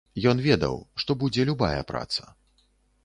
Ён ведаў, што будзе любая праца.